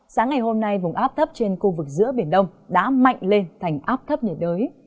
sáng ngày hôm nay vùng áp thấp trên khu vực giữa biển đông đã mạnh lên thành áp thấp nhiệt đới